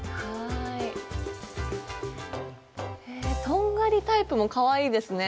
とんがりタイプもかわいいですね。